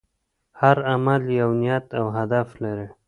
هر عمل یو نیت او هدف لري.